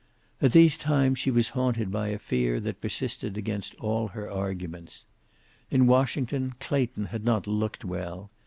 At these times she was haunted by a fear that persisted against all her arguments. In Washington Clayton had not looked well.